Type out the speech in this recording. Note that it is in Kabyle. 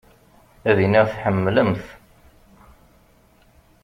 Ad iniɣ tḥemmlem-t.